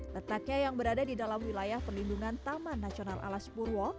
letaknya yang berada di dalam wilayah perlindungan taman nasional alas purwo